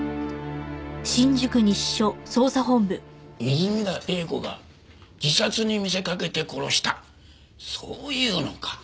泉田栄子が自殺に見せかけて殺したそう言うのか？